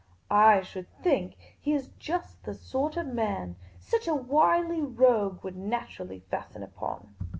" I should think he is just the sort of man such a wily rogue would naturally fasten upon."